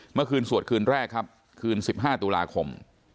เมื่อคืนสวดคืนแรกครับคืน๑๕ตุลาคม